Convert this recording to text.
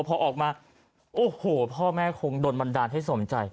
พอออกมาโอ้โหพ่อแม่คงโดนบันดาลให้สมใจ